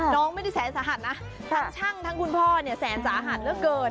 น้องไม่ได้แสนสาหัสนะทั้งช่างทั้งคุณพ่อเนี่ยแสนสาหัสเหลือเกิน